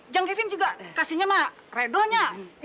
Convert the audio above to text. jangan kevin juga kasihnya mah redonya